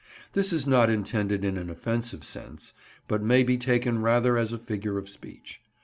This is not intended in an offensive sense, but may be taken rather as a figure of speech.